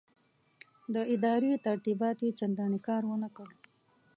د ادارې ترتیبات یې چنداني کار ورنه کړ.